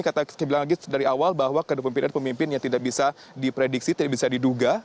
saya bilang lagi dari awal bahwa kedua pemimpin ada pemimpin yang tidak bisa diprediksi tidak bisa diduga